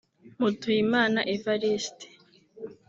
Mutuyimana Evariste